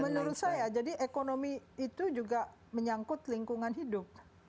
menurut saya jadi ekonomi itu juga menyangkut lingkungan hidup